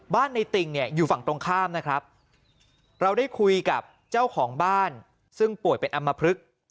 ในติ่งเนี่ยอยู่ฝั่งตรงข้ามนะครับเราได้คุยกับเจ้าของบ้านซึ่งป่วยเป็นอำมพลึก